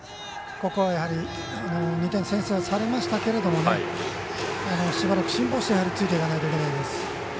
ここは２点先制されましたけどしばらく辛抱してついていかないといけないです。